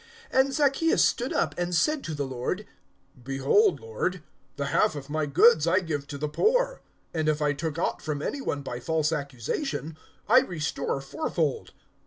(8)And Zaccheus stood up, and said to the Lord: Behold, Lord, the half of my goods I give to the poor; and if I took aught from any one by false accusation, I restore fourfold.